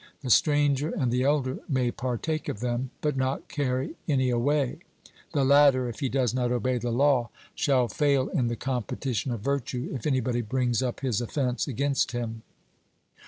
The stranger and the elder may partake of them, but not carry any away; the latter, if he does not obey the law, shall fail in the competition of virtue, if anybody brings up his offence against him.